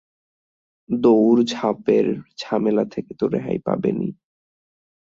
দৌড়ঝাঁপের ঝামেলা থেকে তো রেহাই পাবেনই।